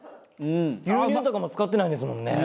牛乳とかも使ってないんですもんね。